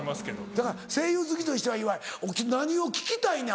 だから声優好きとしては岩井何を聞きたいねん